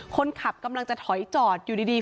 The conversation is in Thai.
คนขับกำลังจะถอยจอดอยู่ดี